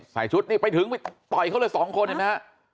ใส่ชุดนี่ไปถึงไปต่อยเขาเลยสองคนเห็นไหมฮะ